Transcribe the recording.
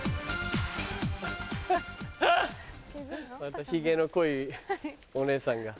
またヒゲの濃いお姉さんが。